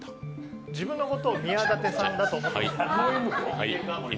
自分のことを宮舘さんだと思ってください。